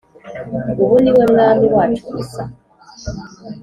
Ubu ni we Mwami wacu gusa